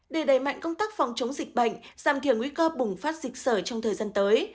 để đẩy mạnh công tác phòng chống dịch bệnh giảm thiểu nguy cơ bùng phát dịch sở trong thời gian tới